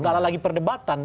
gak lagi perdebatan